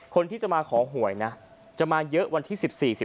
คนที่จะมาขอหวยนะจะมาเยอะวันที่๑๔๑